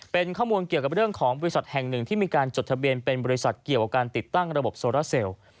เป็นข้อมูลเกี่ยวกับเรื่องของบริษัทแห่งหนึ่งที่มีการจดทะเบียนเป็นบริษัทเกี่ยวกับการติดตั้งระบบโซราเซล